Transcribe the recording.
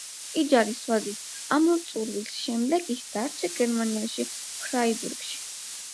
იჯარის ვადის ამოწურვის შემდეგ ის დარჩა გერმანიაში, „ფრაიბურგში“.